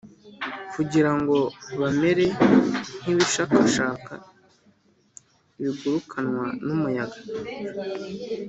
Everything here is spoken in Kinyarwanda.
kugira ngo bamere nk’ibishakashaka bigurukanwa n’umuyaga